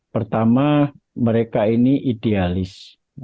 pertama mereka ini idealis